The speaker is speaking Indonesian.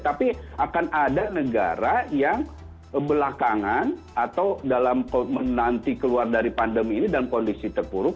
tapi akan ada negara yang belakangan atau dalam menanti keluar dari pandemi ini dalam kondisi terpuruk